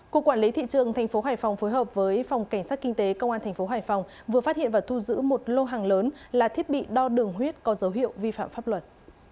của quản lý thị trường thành phố hải phòng phối hợp với phòng cảnh sát kinh tế công an thành phố hải phòng vừa phát hiện và thu giữ một lô hàng lớn là thiết bị đo đường huyết có dấu hiệu vi phạm pháp luật